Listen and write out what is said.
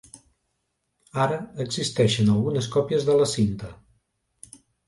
Ara existeixen algunes còpies de la cinta.